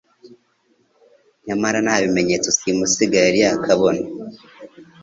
nyamara nta bimenyetso simusiga yari yakabona.